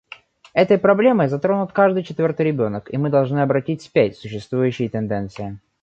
Этой проблемой затронут каждый четвертый ребенок, и мы должны обратить вспять существующие тенденции.